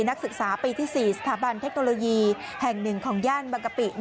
นักศึกษาปีที่๔สถาบันเทคโนโลยีแห่ง๑ของย่านบางกะปิ